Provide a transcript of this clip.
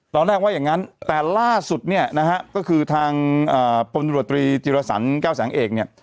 ตอนแรกว่าอย่างนั้นแต่ล่าสุดเนี่ยนะฮะก็คือทางพลตรวจตรีจิรสันแก้วแสงเอกเนี่ย